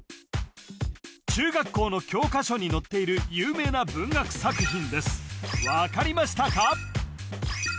中学校の教科書に載っている有名な文学作品です分かりましたか？